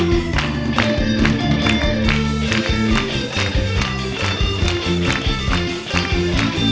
ร่วมพ้นร่วมพ้นร่วมพ้น